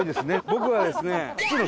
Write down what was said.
僕はですね。